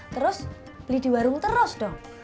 terus beli di warung terus dong